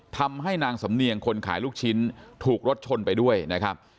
ทำให้นางสำเนียงคนขายลูกชิ้นถูกรถชนไปด้วยนะครับ